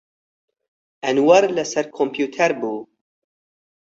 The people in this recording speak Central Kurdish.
ئەنوەر لەسەر کۆمپیوتەر بوو.